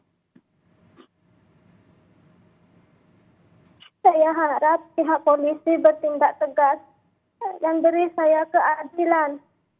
saya harap pihak polisi bertindak tegas dan beri saya keadilan